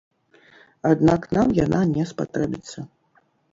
Аднак нам яна не спатрэбіцца.